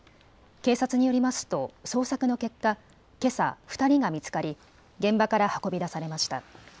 警察によりますと捜索の結果、けさ２人が見つかり現場から運び出されました。